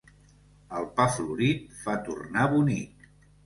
El pa florit fa tornar bonic.